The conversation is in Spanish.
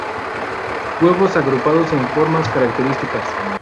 Huevos agrupados en formas características.